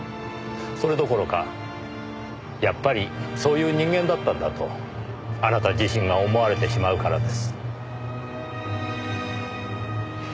それどころか「やっぱりそういう人間だったんだ」とあなた自身が思われてしまうからです。